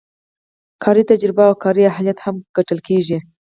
کاري تجربه او کاري اهلیت هم کتل کیږي.